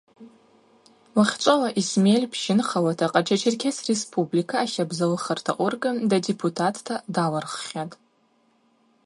Уахьчӏвала Исмель пщынхауата Къарча-Черкес Республика ахабзалыхырта орган дадепутатта далырххьатӏ.